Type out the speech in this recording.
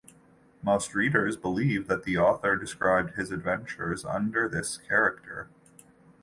Most readers believe that the author described his adventures under this character.